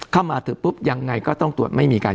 เข้ามาถึงปุ๊บยังไงก็ต้องตรวจไม่มีการ